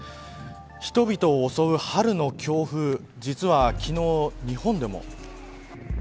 人々を襲う春の強風実は昨日、日本でも。